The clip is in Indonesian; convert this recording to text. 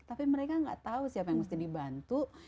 tapi mereka gak tau siapa yang mesti dibantu